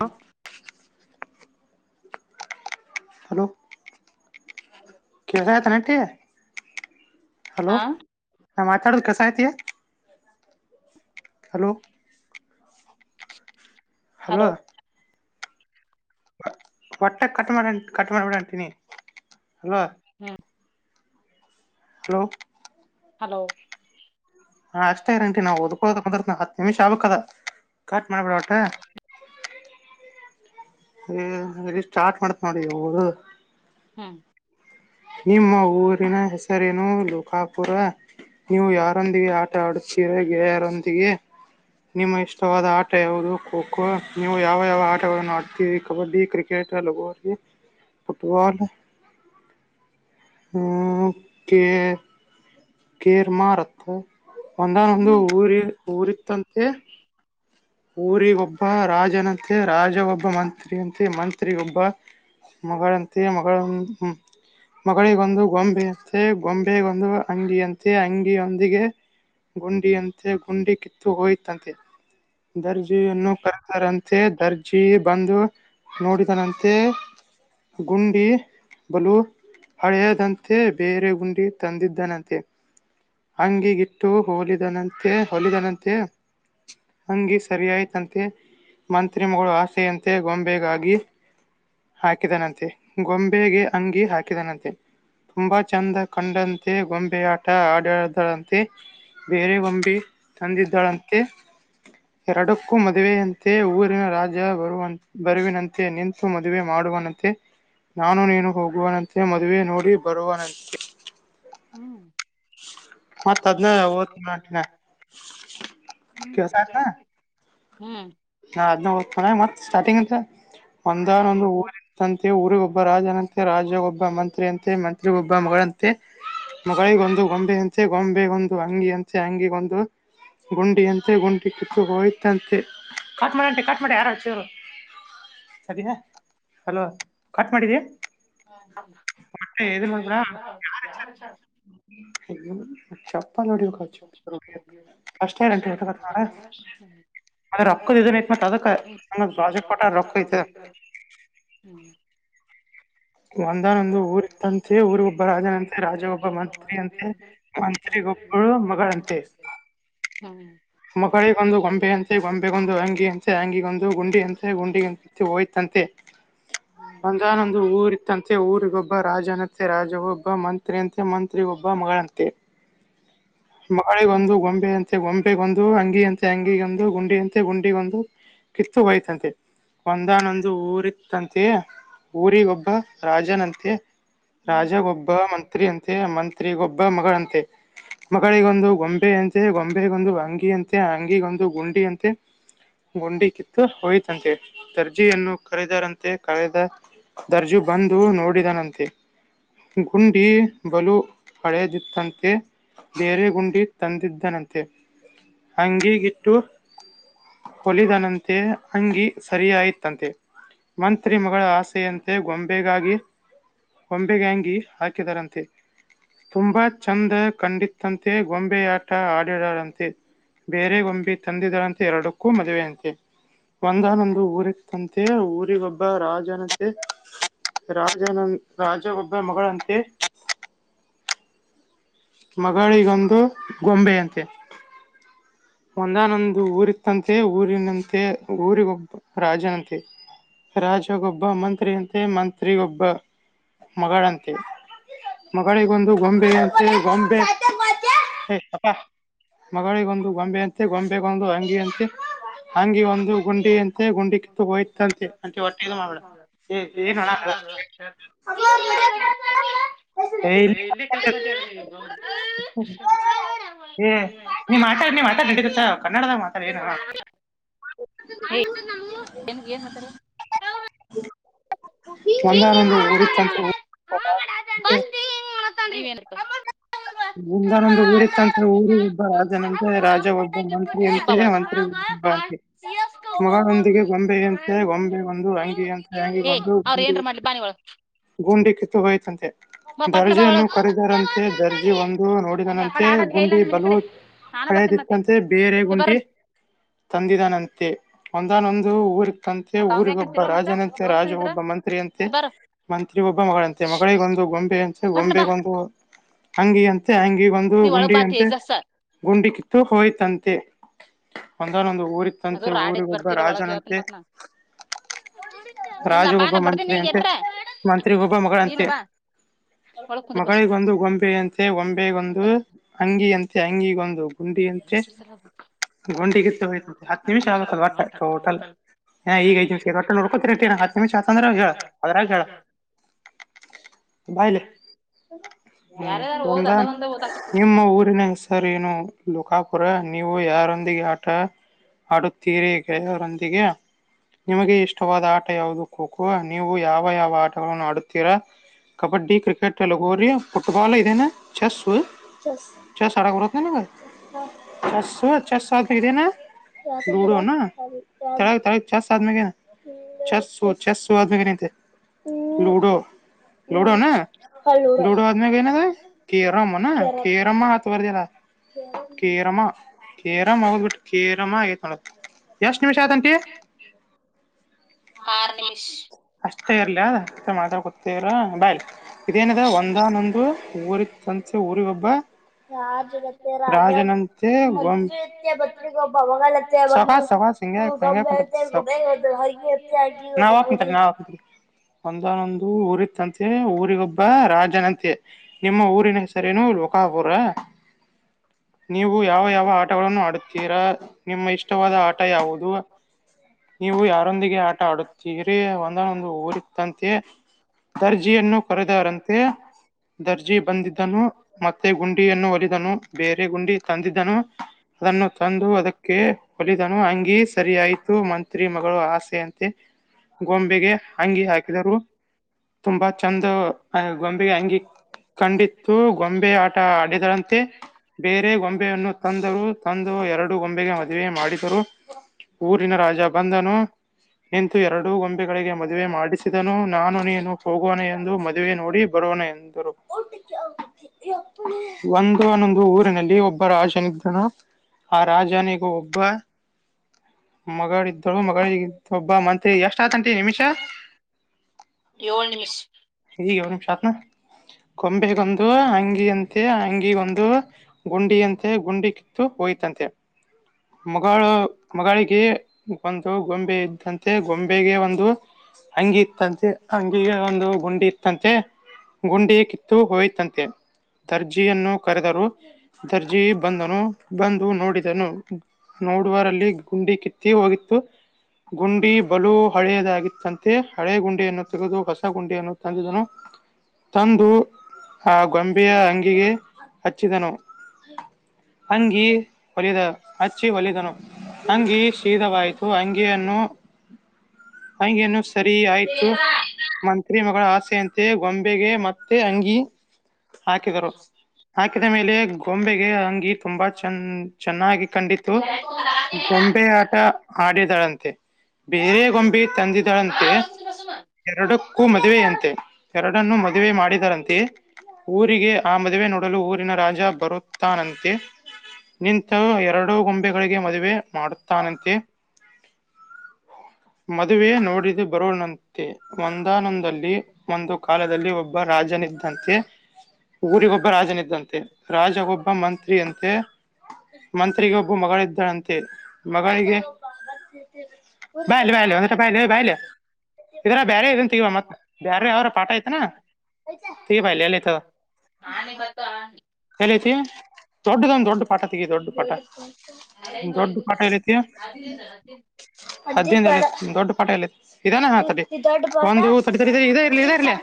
Hello ಹ್ಮ [inaudible] hello [unintelligible] hello ಹಾ ಮಾತಾಡೋುದು ಕಸ ಆಐತಿ ಹಲೋ ಹಲೋ ವಟ್ಟೆ ಕಟ್ ಮಾಡ ಕಟ್ ಮಾಡ್ಬಿಡಂತೀನಿ ಅಲ್ವಾ ಹ್ಮ್ ಹಲೋ ಹಲೋ ಹಾ ಅಷ್ಟೇ ಆಂಟಿ ನಾವುದಕೋ ನಿಮಿಷ ಆಗ್ಬೇಕದು ಕಟ್ ಮಾಡಬೇಡ ಒಟ್ಟು ಏ ಇಲ್ಲಿ ಸ್ಟಾರ್ಟ್ ಮಾಡ್ತ್ ನೋಡುವುದು ಹಮ್ ನಿಮ್ಮ ಊರಿನ ಹೆಸರೇನು ಲೋಕಾಪುರ ನೀವು ಯಾರೊಂದಿಗೆ ಆಟ ಆಡತೀರ ಯಾರೊಂದಿಗೆ ನಿಮ್ಮ ಇಷ್ಟವಾದ ಆಟ ಯಾವುದು ಖೋ ಖೋ ನೀವು ಯಾವ ಯಾವ ಆಟಗಳನ್ನು ಆಡ್ತೀರಿ ಕಬಡ್ಡಿ ಕ್ರಿಕೆಟ್ ಲ ಲಗೋರಿ ಫುಟ್ಬಾಲ್ [inaudible] ಕೆ ಕೇರ್ ಮ ರಕ್ಕೋ ಒಂದಾನೊಂದು ಊರಿ ಊರಿತ್ತಂತೆ ಊರಿಗೊಬ್ಬ ರಾಜನಂತೆ ರಾಜ ಒೊಬ್ಬ ಮಂತ್ರಿಯಂತೆ ಮಂತ್ರಿಗೊಬ್ಬ ಮಗಳಂತೆ ಮಗಳ ಮಗಳಿಗೊಂದು ಗೊಂಬೆಯಂತೆ ಗೊಂಬೆಗೊಂದು ಅಂಗಿಯಂತೆ ಅಂಗಿಯೊಂದಿಗೆ ಗುಂಡಿಯಂತೆ ಗುಂಡಿ ಕಿತ್ತು ಹೋಯತಂತೆ ದರ್ಜೆಯನ್ನು ಕರತಾರಂತೆ ದರ್ಜೆ ಬಂದು ನೋಡಿದನಂತೆ ಗುಂಡಿ ಬಲು ಹಳೆಯದಂತೆ ಬೇರೆ ಗುಂಡಿ ತಂದಿದ್ದನಂತೆ ಅಂಗಿಗಿಟ್ಟು ಹೋಲಿದನಂತೆ ಹೊಲಿದನಂತೆ ಅಂಗಿ ಸರಿಯಾಯ್ತಂತೆ ಮಂತ್ರಿ ಮಗಳು ಆಸೆ ಅಂತೆ ಮ ಗೊಂಬೆಗಾಗಿ ಹಾಕಿದನಂತೆ ಗೊಂಬೆಗೆ ಅಂಗಿ ಹಾಕಿದನಂತೆ ತುಂಬಾ ಚೆಂದ ಕಂಡಂತೆ ಗೊಂಬೆ ಆಟ ಆಡಿದಳಂತೆ ಬೇರೆ ಗೊಂಬೆ ತಂದಿದ್ದಳಂತೆ ಎರಡಕ್ಕೂ ಮದುವೆಯಂತೆ ಊರಿನ ರಾಜ ಬರುವ ಬರುವಿನಂತೆ ನಿಂತ ಮದುವೆ ಮಾಡುವನಂತೆ ನಾನು ನೀನು ಹೋಗುವನಂತೆ ಮದುವೆ ನೋಡಿ ಬರುವನಂತೆ ಮತ್ತ ಅದ್ನ ಓದನಂಟಸನಾ ನಾ ಅದ್ನ ಓದತ ಮ ಸ್ಟಾರ್ಟಿಂಗ್ ಇದಾನ ಒಂದು ಊರಿ ತಂತೆ ಊರಿಗ ಒಬ್ಬ ರಾಜನಂತೆ ರಾಜ ಒಬ್ಬ ಮಂತ್ರಿ ಅಂತೆ ಮಂತ್ರಿ ಒಬ್ಬ ಮಗಳಂತೆ ಮಗಳಿಗೊಂದು ಗೊಂಬೆ ಅಂಂತೆೆ ಗೊಂಬೆಗೊಂದು ಅಂಗಿ ಅಂಂತೆ ಅಂಗಿಗೊಂದು ಗುಂಡಿ ಅಂತೆೆ ಗುಂಡಿ ಕಿತ್ತು ಹೋಯತಂತೆ ಕ ಮಾಡಂಟ ಕಟ್ ಮಾಡ ಯಾರಚರು ಅದೆಯಾ ಹಲೋ ಕಟ್ ಮಾಡಿದೀ ಹ ಮಟ್ಟೆ ಹೇಳಿದದ ಯಾರ ಚ [unintelligible] ನೋಡಿ ಅಷ್ಟೇಂಟ ಟ ನೆ ರೊಕ್ಕದ ಇದತ್ ಮ ಅದ ನಮಾಜೆಕ್ ೋಟ ರೊಕ್ಕ ಐತೆ ಹ್ಮ್ ಒಂದಾನ ಒಂದು ಊರ್ ಅಂತೆ ಊರಿಗ ಒಬ್ಬ ರಾಜನಂತೆ ರಾಜ ಒೊಬ್ಬ ಮಂತ್ರಿ ಅಂತೆ ಮಂತ್ರಿಗ ಒಬ್ಬ ಮಗಳಂತೆ ಮಗಳಿಗೊಂದು ಗೊಂಬೆ ಅಂತೆ ಗೊಂಬೆಗೊಂದು ಅಂಗಿ ಅಂತೆ ಅಂಗಿಗೊಂದು ಗುಂಡಿ ಅಂತೆೆ ಗುಂಡಿ ಹೋಯ್ತಂತೆ ಒಂದಾನೊಂದು ಊರಿ ಊರಿಗೊಬ್ಬ ರಾಜನತ್ತೆ ರಾಜ ಒೊಬ್ಬ ಮಂತ್ರಿ ಂತೆ ಮಂತ್ರಿಗೊಬ್ಬ ಮಗಳಂತೆ ಮಳೆಗೊಂದು ಗೊಂಬೆ ಅಂತೆ ಗೊಂಬೆಗೊಂದು ದು ಹಂಗೆ ಅಂತ ತಂಗಿಂದು ಗುಂಡಿಯಂತೆ ಗುಂಡಿ ಒಂದು ಕಿತ್ತು ಹಯ್ತಂತೆ ಒಂದಾನೊಂದು ಊರಿತ್ತಂತೆಯೇ ಊರಿಗ ಒಬ್ಬ ರಾಜಾನಂತೆ ರಾಜ ಗೊಬ್ಬ ಮಂತ್ರಿ ಅಂತೆ ಮಂತ್ರಿ ಗೊಬ್ಬ ಒಬ್ಬ ಮಗಳಂತೆ ಮಗಳಿಗೊಂದು ಗೊಂಬೆಯಂತೆ ಗೊಂಬೆಗೊಂದು ಅಂಗಿಯಂತೆ ಅಂಗಿಗೊಂದು ಗುಂಡಿಯಂತೆ ಗುಂಡಿ ಕಿತ್ತು ಹೋಯತಂತೆ ದರ್ಜೆಯನ್ನು ಕರೆದರಂತೆ ಕರೆದ ದರ್ಜ ಬಂದು ನೋಡಿದನಂತೆ ಗುಂಡಿ ಬಲು ಹಳೆದಿತ್ತಂತೆ ಬೇರೆ ಗುಂಡಿ ತಂದಿದ್ದನಂತೆ ಅಂಗಿಗಿಟ್ಟು ಹೊಲಿದನಂತೆ ಅಂಗಿ ಸರಿಯಾಯತ್ತಂತೆ ಮಂತ್ರಿ ಮಗಳ ಆಸೆಯಂತೆ ಗೊ ಬೇಗಾಗಿ ಕೊಂಬೆಗ್ಯಾಂಗಿ ಹಾಕಿದರಂತೆ ತುಂಬಾ ಚಂದ ಕಂಡಿತಂತೆ ಗೊಂಬೆ ಆಟ ಆಡಡರಂತೆ ಬೇರೆ ಗೊಂಬೆ ತಂದಿದರಂತೆ ಎರಡಕ್ಕೂ ಮದುವೆಯಂತೆ ಒಂದಾನೊಂದು ಊರಿಗೆ ಂತೆ ಊರಿಗೊಬ್ಬ ರಾಜನಂತೆ ರಾಜನ ರಾಜ ಒಬ್ಬ ಮಗಳಂತೆ ಮಗಳಿಗೊಂದು ಗೊಂಬೆಯಂತೆ ಒಂದಾನೊಂದು ಊರಿತ್ತಂತೆ ಊರಿನಂತೆ ಊರಿಗೊಬ್ಬ ರಾಜನಂತೆ ರಾಜಗೊಬ್ಬ ಮಂತ್ರಿಯಂತೆ ಮಂತ್ರಿಗೊಬ್ಬ ಮಗಳಂತೆ ಮಗಳಿಗೊಂದು ಗೊಂಬೆಯಂತೆ ಗೊಂಬೆ ಹಿಂಗ್ ಅಪ್ಪ ಮಗಳಿಗೊಂದು ಗೊಂಬೆ ಅಂತೆ ಗೊಂಬೆಗೊಂದು ಅಂಗಿ ಅಂತೆ ಹಂಗಗೆ ಒಂದು ಗುಂಡಿ ಅಂತೆ ಗುಂಡಿ ಕಿತ್ತು ಹೋಯ್ತಂತೆ ಅಂಟ ಹೊಟ್ಟೆದು ಮಾಡ್ಬಡ ಏ ಏನ್ಣ [inaudible] ಹಾ ಕನ್ನಡದ ಮಾತ ಏನ ಒಂದಾನೊಂದು ಊರಿತ್ತಂತೆ ಹ ಊರಿಗೆ [inaudible] ಒಂದನೊಂದು ಊರಿತ್ತಂತೆ, ಊರಿಗ ಆಡತ್ತಿದ್ನ ಒಬ್ಬ ಬ್ಯಾಗ್ ರಾಜನಂತೆ, ಹೋಯ್ತಾ ರಾಜ ಒಬ್ಬ ಪುಟ್ಟಾಗಿ ಮಂತ್ರಿ ಇಟ್ಕೊಂಡೆ ಅಂತೆ, ಮಂತ್ರಿ ಅವಾಗ ಒಬ್ಬ- ಆ ಸಿಎಸ್ಕ ಹೋಗೋದ್ರಿ ಏಯ್ ಅಂಗಿಗೊಂದು ಅವ್ರ ಗುಂಡಿ ಏನ್ರ ಮಾಡ್ಲಿ ಬಾ ನೀ ಒಳಗ. ಗುಂಡಿ ಕಿತ್ತು ಹೋಯಿತಂತೆ. ದರ್ಜೆಯನ್ನು ಕರದರಂತೆ. ಅಗತ್ಯವಾದ ದರ್ಜೆ ಅಲ್ಲಿ ಅಂತಂದ್ರೆ ಒಂದು ನೋಡಿದನಂತೆ. ಗುಂಡಿ ಬಲ ಹಳೆದಿತ್ತಂತೆ. ಬೇರೆ ಗುಂಡಿ ತಂದಿದಾನಂತೆ. ಒಂದಾನೊಂದು ಊರ್ ತಂತೆ ಊರಿಗೊಬ್ಬ ರಾಜನಂತೆ ರಾಜಗೊಬ್ಬ ಮಂತ್ರಿಯಂತೆ. ಮಂತ್ರಿ ಒಬ್ಬ ಮಗಳಂತೆ. ಮಗಳಿಗೊಂದು ಗೊಂಬೆೆಯಂತೆ. ಗೊಂಬೆಗೊಂದು ಅಂತೆ ಅಂಗ ಅಂಗಿ ಒಂದು ಗುಂಡಿ ಅಂತೆ. ಗುಂಡಿ ಕಿತ್ತು ಹೋಯ್ತಂತೆ. ಒಂದಾನೊಂದು. ಅದು ಊರಿತ್ತಂತೆ ರಾಡಿತ್ ಊರಿಗೊಬ್ಬ ಬರ್ತಿಲ್ಲ ಒಳಗ ಎಳತಾನ ರಾಜನಂತೆ ಮತ್ ನಾ. ಇಲ್ಲ ಬಾ. ರಾಜಗೊಬ್ಬ ಬಡದಿನಿ. ನೀ ಮಂತ್ರಿಯಂತೆ ಎಟ್ರ ಮಂತ್ರಿಗೊಬ್ಬ ಇಲ್ಲ ಮಗಳಂತೆ ಬಾ ಒಳಗ್ ಕುಂದ್ರ ಬಾ ಸುಮ್ಮ. ಯಂತೆ ಗೊಂಬೆಗೊಂದು ಅಂಗಿಯಂತೆ. ತೆಂಗಿಗೊಂದು ಗುಂಡಿ ಅಂತೆ ಗುಂಡಿಕಿತ್ತಿ ಹೋಯಿತಂತೆ. ಹತ್ತು ನಿಮಿಷ ಆಗ್ಬೇಕ ಹೊಟ್ಟ ಟೋಟಲ್. ಈಗ ಐದ್ ನಿಮಿಷ ಹೊಟ್ಟೆ ನೋಡ್ಕೋತ ಹತ್ತು ನಿಮಿಷ ಆಯಿತ್ಂದ್ರ ಹೇಳ ಅದ್ರಾಗ ಹೇಳ ಬಾ ಇಲ್ಲಿ. ಹ್ಮ್ ಒಂದ ನಿಮ್ಮ ಊರಿನ ಹೆಸರು ಏನು. ಖಾಪುರ ನೀವು ಯಾರೊಂದಿಗೆ ಆಟ ಆಡುತ್ತೀರಿ. ಗೆಳೆಯರೊಂದಿಗೆ. ನಿಮಗೆ ಇಷ್ಟವಾದ ಆಟ ಯಾವುದು ಖೋ ಖೋ. ನೀವು ಯಾವ ಯಾವ ಆಟಗಳನ್ನು ಆಡುತ್ತೀರಾ. ಕಬಡ್ಡಿ, ಕ್ರಿಕೆಟ್, ಲಗೋರಿ. ಫುಟ್ಬಾಲ್ ಇದ ಏನ್ ಚೇಸ್ ಚೆಸ್ ಚೆಸ್ ಹಾಡಕ್ ಬರುತ್ತೇ ನಿಂಗ್. ಆ ಚೆಸ್ ಚೆಸ್ ಇದು ಏನ್ ಲೂಡೋ ಏನ್. ತೆಳಗ್ ತೆಳಗ ಚೆಸ್ ಚೆಸ್ ಆದ್ಮೇಲ ಏನ್ ಚೆಸ್ ಓ ಚೆಸ್ ಓ ಆದ್ಮೇಲೆ ಏನಾಯ್ತು ಲೂಡೋ ಲೂಡೋ ಅನ್. [unintelligible] ಏನ್ ಅದ ಏನ್ ಅದ ಹೊಡಿತೇವೆ. ಕೆರಮ ಅನ್ ಕೇರಂ ಅಂತ್ ಬರ್ದಿಯಲ್ಲ. ಕೆರಮ, ಕೆರಮ ಹ ಕೇರಮ ಆಗೈತಿ ನೋಡ ಅದು. ಎಷ್ಟು ನಿಮಿಷ ಆದಂಟಿ. ಅಷ್ಟೇ ಇರ್ಲ ಅ ಮಾತಾಡ್ಕೊತ ಬಾ ಇಲ್ಲಿ ಇದ ಏನ್ ಇದ ಒಂದನೋ ಊರ್ ಇತ್ತಂತೆ ಊರಿಗ ಒಬ್ ಏಳು [unintelligible] ಅಂತೆ ಊರಿಗೊಬ್ಬ ರಾಜನಂತೆ. ನಿಮ್ಮ ಊರಿನ ಹೆಸರೇನು. ಲೋಕಪುರ. ನೀವು ಯಾವ ಯಾವ ಆಟಗಳನ್ನು ಆಡುತ್ತೀರಾ. ನಿಮ್ಮ ಇಷ್ಟವಾದ ಆಟ ಯಾವುದು. ನೀವು ಯಾರೊಂದಿಗೆ ಆಟ ಆಡುತ್ತೀರಿ. ಒಂದಾನೊಂದು ಊರಿತ್ತಂತೆ. ದರ್ಜೆಯನ್ನು ಕರೆದವರಂತೆ. ದರ್ಜಿ ಬಂದಿದ್ದನು. ಮತ್ತೆ ಗುಂಡಿಯನ್ನು ಹೊಲಿದನು. ಬೇರೆ ಗುಂಡಿ ತಂದಿದ್ದನು. ಅದನ್ನು ತಂದು ಅದಕ್ಕೆ ಹೊಲಿದನು. ಅಂಗಿ ಸರಿ ಆಯ್ತು.. ಮಂತ್ರಿ ಮಗಳು ಆಸೆಯಂತೆ ಗೊಂಬೆಗೆ ಅಂಗಿ ಹಾಕಿದರು. ತುಂಬಾ ಚಂದ ಗೊಂಬೆಗೆ ಅಂಗಿ ಕಂಡಿತ್ತು. ಗೊಂಬೆ ಆಟ ಆಡಿದರಂತೆ. ಬೇರೆ ಗೊಂಬೆಯನ್ನು ತಂದರು. ತಂದು ಎರಡು ಗೊಂಬೆಗೆ ಮದುವೆ ಮಾಡಿದರು. ಊರಿನ ರಾಜ ಬಂದನು. ನಿಂತು ಎರಡು ಗೊಂಬೆಗಳಿಗೆ ಮದುವೆ ಮಾಡಿಸಿದನು. ನಾನು ನೀನು ಹೋಗೋಣ ಎಂದು ಮದುವೆ ನೋಡಿ ಬರೋಣ ಎ ದರು. ಒಂದ್ನೊಂದ ಊರಿನಲ್ಲಿ ಒಬ್ಬ ರಾಜನಿದ್ದನು. ಆ ರಾಜನಿಗೂ ಒಬ್ಬ ಮಗಳ ಇದ್ದಳು ಮಗಲಳಿಗಿಂ ಒಬ್ಬ ಮನ್ ತಿ ಎಷ್ಟ ಆಯತಂಟೀ ನಿಮಿಷ ನಿಮಿಷ ಈಗ [unintelligible] ನಿಮಿಷ ಆತ್ನು ಕಂಬಿಕ್ ಒಂದು ಅಂಗಿಯಂತೆ ಅಂಗಿ ಒಂದು ಗುಂಡಿಯಂತೆ ಗುಂಡಿ ಕಿತ್ತು ಹೋಯ್ತಂತೆ ಮಗಳು ಮೊಗಳಿಗೆ ಒಂದು ಗೊಂಬೆ ಇದ್ದಂತೆ ಗೊಂಬೆಗೆ ಒಂದು ಅಂಗಿ ಇತ್ತಂತೆ ಅಂಗಿಗೆ ಒಂದು ಗುಂಡಿ ಇತ್ತಂತೆ ಹುಂಡಿ ಕಿತ್ತು ಹೋಯಿತನ್ ದರ್ಜಿಯನ್ನು ಕರೆದರು ದರ್ಜಿ ಬಂದನು ಬಂದು ನೋಡಿದನು ನೋಡುವರಲ್ಲಿ ಗುಂಡಿ ಕಿತ್ತಿ ಹೋಗಿತ್ತು ಗುಂಡಿ ಬಲು ಹಳೆಯದಾಗಿತ್ತಂತೆ ಹಳೆ ಗುಂಡಿಯನ್ನು ತೆಗೆದು ಹೊಸ ಗುಂಡಿಯನ್ನು ತಂದಿದನು. ತಂದು ಗೊಂಬೆಯ ಅಂಗಿಗೆ ಹಚ್ಚಿದನು ಅಂಗಿ ಹೊಲಿದ ಹಚ್ಚಿ ಹೊಲಿದನು ಅಂಗಿ ಶೀದವಾಯ್ತು ಅಂಗಿಯನ್ನು ಅಂಗಿಯನ್ನು ಸರಿ ಆಯ್ತು ಮಂತ್ರಿ ಮಗಳ ಆಸೆಯಂತೆ ಗೊಂ ಎ ಮತ್ತೆ ಅಂಗಿ ಹಾಕಿದರು ಹಾಕಿದ ಮೇಲೆ ಗೊಂಬೆಗೆ ಅಂಗಿ ತುಂಬಾ ಚ ಚೆನ್ನಾಗಿ ಕಂಡಿತ್ತು ಗೊಂಬೆ ಆಟ ಆಡಿದಳಂತೆ ಬೇರೆ ಗೊಂಬೆ ತಂದಿದಳಂತೆ ಎರಡಕ್ಕೂ ಮದುವೆಯಂತೆ ಎರಡ್ ಮದುವೆ ಮಾಡಿದರಂತೆ ಊರಿಗೆ ಆ ಮದುವೆ ನೋಡಲು ಊರಿನ ರಾಜ ಬರುತ್ತಾನಂತೆ ನಿಂತ ಎರಡು ಗೊಂಬೆಗಳಿಗೆ ಮದುವೆ ಮಾಡುತ್ತಾನಂತೆ. ಮದುವೆ ನೋಡಿದು ಬರೋನಂತೆ ಒಂದಾನೊಂದಲ್ಲಿ ಒಂದು ಕಾಲದಲ್ಲಿ ಒಬ್ಬ ರಾಜನಿದ್ದಂ ತೆ ಊರಿಗೊಬ್ಬ ರಾಜನಿದ್ದಂತೆ ರಾಜಗ ಒಬ್ಬ ಮಂತ್ರಿಯಂತೆ ಮಂತ್ರಿಗೆ ಒಬ್ಬ ಮಗಳಿದ್ದಳಂತೆ ಮಗಳಿಗೆ ಬಾಯಲಿ ಬಾಯಲಿ ಒಂದ ನಿಶಾ ಬಾಯ್ಲಿ ಬಾಯಲಿ ಇದರ ಬೇರೆ ಇದನ್ ತಗವ ಮತ್ತ ಬೇರೆ ಯರ ಪಾಠ ಐತನಾ ಆನೆ ಬತ್ತು ಆನೆ ಎಲತಿ ದೊಡ್ಡದ ಒಂದ್ ದೊಡ್ಡ ಪಾಠ ತಗಿ ದೊಡ್ಡ ಪಾಠ ದೊಡ್ಡ ಪಾಠ ಹೇಳತಿ ಅದತಿ ದೊಡ್ಡ ಪಾಠ ಎಲ್ಲತ್ ಇದಾನೇ ಹಾತದೆ ಇ ದೊಡ್ಡ್ ಒಂದು [unintelligible] ಇದೇ ಇರ್ಲಿ ಇದ ಇರ್ಲಿ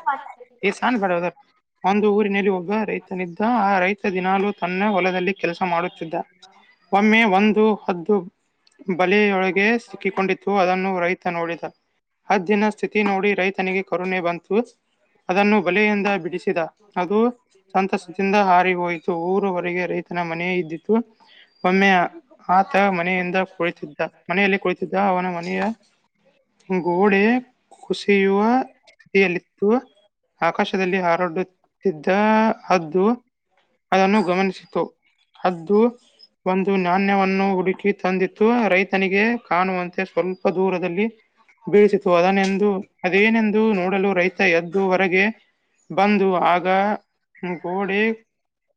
ಈ ಸ್ ಬೇಡದ ಒಂದು ಊರಿನಲ್ಲಿ ಹೋಗ ರೈತನಿದ್ದ ಆ ರೈತ ದಿನಾಲೂ ತನ್ನ ಹೊಲದಲ್ಲಿ ಕೆಲಸ ಮಾಡುತ್ತಿದ್ದ ಒಮ್ಮೆ ಒಂದು ಹದ್ದು ಬಲಿಯೊಳಗೆ ಸಿಕ್ಕಿಕೊಂಡಿತ್ತು ಅದನ್ನು ರೈತ ನೋಡಿದ ಹದ್ದಿನ ಸ್ಥಿತಿ ನೋಡಿ ರೈತನಿಗೆ ಕರುಣೆ ಬಂತು ಅದನ್ನು ಬಲೆಯಿಂದ ಬಿಡಿಸಿದ ಅದು ಸಂತಸದಿಂದ ಹಾರಿ ಹೋಯಿತು ಊರವರೆಗೆ ರೈತನ ಮನೆ ಇದ್ದಿತು ಒಮ್ಮೆ ಆತ ಮನೆಯಿಂದ ಕುಳಿತಿದ್ದ ಮನೆಯಲ್ಲಿ ಕುಳಿತಿದ್ದ ಅವನ ಮನೆಯ ಗೋಡೆ ಕುಸಿಯುವ ಸ್ಥಿತಿಯಲ್ಲಿತ್ತು ಆಕಾಶದ [unintelligible] ಹಾರಾಡುತ್ತಿದ್ದ ಹದ್ದು ಅದನ್ನು ಗಮನಿಸಿತು ಹದ್ದು ಒಂದು ನಾಣ್ಯವನ್ನು ಹುಡುಕಿ ತಂದಿತ್ತು ರೈತನಿಗೆ ಕಾಣುವಂತೆ ಸ್ವಲ್ಪ ದೂರದಲ್ಲಿ ಬೀಳಸಿತು ಅದನೆಂದು ಅದೇನೆಂದು ನೋಡಲು ರೈತ ಎದ್ದುವರೆಗೆ ಬಂದು ಆಗ ಗೋಡೆ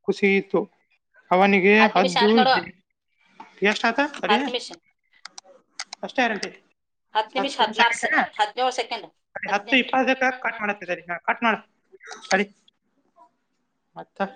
ಕುಸಿಯಿತು ಅವನಿಗೆ ಹತ್ತು ನಿಮಿಷ ಹದ್ದು ಹತ್ ನೋಡು ಎಷ್ಟಾತ ಸರಿ ಹತ್ತು ನಿಮಿಷ ಅಷ್ಟೇ ಗ್ಯಾರಂಟಿ ಹತ್ತು ನಿಮಿಷ ಹದಿನಾರು ಸೆಕ್ ಹದಿನೇಳು ಸೆಕೆಂಡ್ ಬರೀ ಹತ್ತು ಹ ತಡಿ ಮತ್ ತ